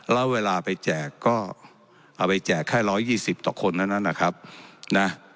แล้วเวลาไปแจกก็เอาไปแจกแค่ร้อยยี่สิบต่อคนแล้วนะครับนะ